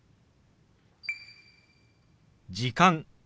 「時間」。